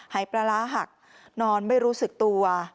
หายปลาร้าหักนอนไม่รู้สึกตัว